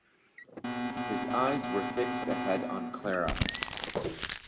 His eyes were fixed ahead on Clara.